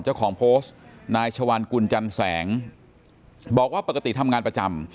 เจ้าของโพสต์นายชวานกุลจันแสงบอกว่าปกติทำงานประจำ